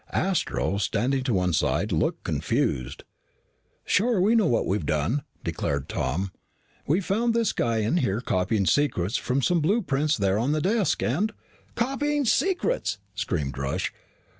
Astro, standing to one side, looked confused. "Sure we know what we've done," declared Tom. "We found this guy in here copying secrets from some blueprints there on the desk and " "Copying secrets!" screamed Rush.